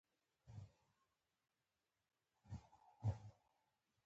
هېڅ جالبه نه ده، یعنې په بېسبال کې یو منځنی توپ غورځوونکی.